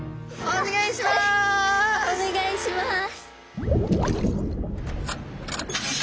お願いします。